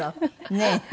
ねえ？